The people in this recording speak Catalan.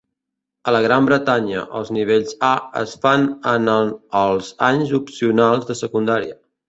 A la Gran Bretanya, els nivells A es fan en el els anys opcionals de secundària